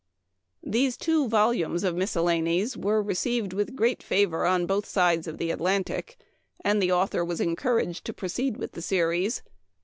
These two volumes of miscellanies were received with great favor on both sides oi the Atlantic, and the author was much encouraged to proceed with the series.